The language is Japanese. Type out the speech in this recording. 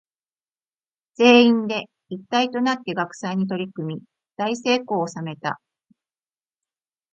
全員で一体となって学祭に取り組み大成功を収めた。